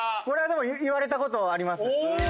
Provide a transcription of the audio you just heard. これはでも言われた事はあります。